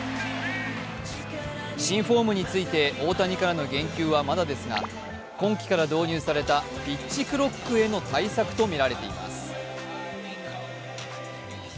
新フォームについて大谷からの言及はまだですが今季から導入されたピッチクロックへの対策とみられています。